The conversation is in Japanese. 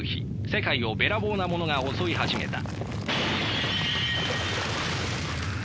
世界をべらぼうなものが襲い始めた。